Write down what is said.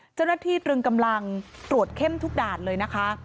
เจ้าหน้าที่เตริงกำลังตรวจเข้มทุกด่านเลยนะคะ